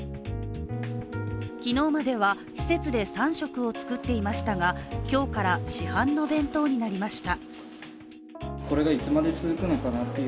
昨日までは施設で３食を作っていましたが今日から市販の弁当になりました。